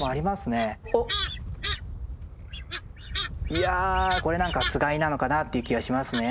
いやこれ何かつがいなのかなっていう気はしますね。